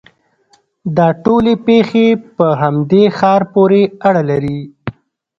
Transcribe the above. دا ټولې پېښې په همدې ښار پورې اړه لري.